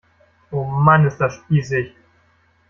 Oh Mann, ist das spießig!